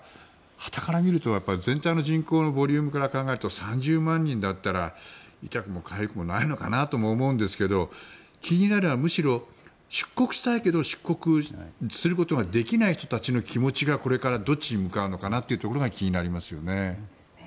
はたから見ると全体の人口のボリュームから考えると３０万人だったら痛くもかゆくもないのかなと思うんですけど気になるのは、むしろ出国したいけど出国することができない人たちの気持ちがこれからどっちに向かうのかが気になりますよね。